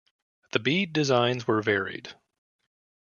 The bead designs were varied.